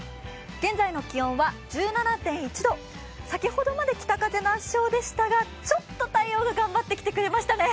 現在の気温は１７．１度、先ほどまで北風が圧勝でしたがちょっと太陽が頑張ってきてくれましたね。